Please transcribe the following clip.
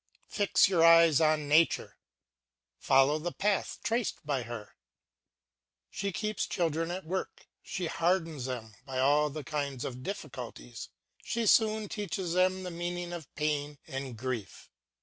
Fix your eyes on nature, follow the path traced by her. She keeps children at work, she hardens them by all kinds of difficulties, she soon teaches them the meaning of pain and grief.